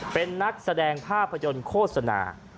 เป็นนักแสดงภาพยนตร์โฆษณา